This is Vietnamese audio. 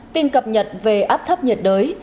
tin cập nhật về áp thấp nhiệt đới